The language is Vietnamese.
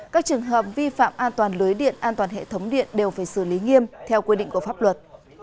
các trường hợp vi phạm an toàn lưới điện an toàn hệ thống điện đều phải xử lý nghiêm theo quy định của pháp luật